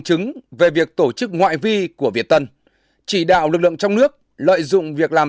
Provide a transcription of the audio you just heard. chứng về việc tổ chức ngoại vi của việt tân chỉ đạo lực lượng trong nước lợi dụng việc làm